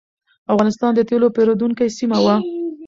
افغانستان د تېلو پېرودونکو سیمه وه.